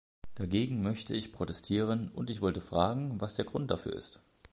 Dagegen möchte ich protestieren, und ich wollte fragen, was der Grund dafür ist.